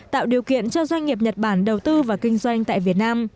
tạo điều kiện cho doanh nghiệp nhật bản đầu tư và kinh doanh tại việt nam